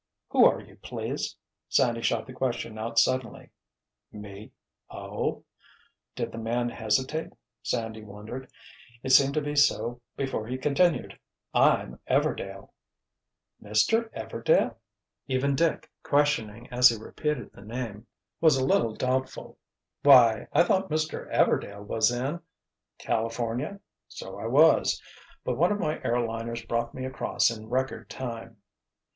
"Who are you, please?" Sandy shot the question out suddenly. "Me? Oh—" Did the man hesitate, Sandy wondered. It seemed to be so before he continued. "I'm Everdail." "Mr. Everdail?" Even Dick, questioning as he repeated the name, was a little doubtful. "Why, I thought Mr. Everdail was in——" "California? So I was. But one of my air liners brought me across in record time."